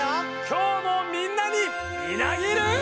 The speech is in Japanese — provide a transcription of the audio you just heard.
今日もみんなにみなぎる。